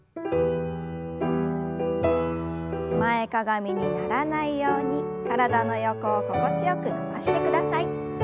前かがみにならないように体の横を心地よく伸ばしてください。